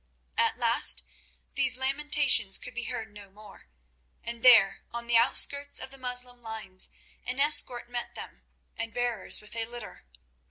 At last these lamentations could be heard no more, and there, on the outskirts of the Moslem lines, an escort met them, and bearers with a litter.